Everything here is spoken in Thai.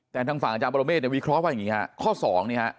แต่ทางฝั่งอาจารย์ประโลเมฆวิเคราะห์ว่าอย่างนี้